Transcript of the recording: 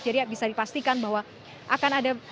jadi bisa dipastikan bahwa akan ada